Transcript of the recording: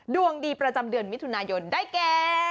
ดวงดีประจำเดือนมิถุนายนได้แก